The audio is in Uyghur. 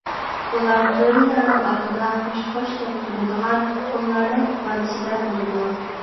ئۇلار تۆرىلەرنىڭ ئالدىدا خوش ـ خوش دەپ تۇرىدىغان قۇللارنىڭ ئىپادىسىدە بولىدۇ.